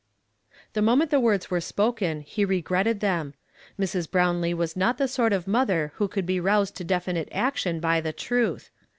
'J'lie moment the words were spoken he regretted them. Mrs. Brownlee was not the sort of mother who could be roused to definite action by the truth.